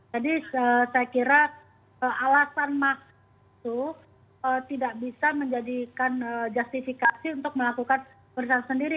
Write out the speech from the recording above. jadi saya kira alasan maks itu tidak bisa menjadikan justifikasi untuk melakukan perusahaan sendiri